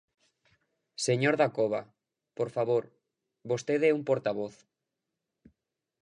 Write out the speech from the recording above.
Señor Dacova, por favor, vostede é un portavoz.